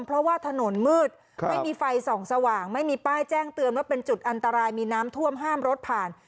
เพราะว่าถนนมืดไม่มีไฟส่องสว่างไม่มีป้ายแจ้งเตือนว่าเป็นจุดอันตรายมีน้ำท่วมห้ามรถผ่าน